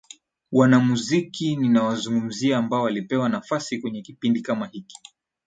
Wanamuziki ninaowazungumzia ambao walipewa nafasi kwenye kipindi kama hiki